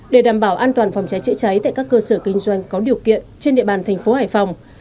để đảm bảo an toàn phòng cháy chữa cháy tại các cơ sở kinh doanh có điều kiện trên địa bàn thành phố hải phòng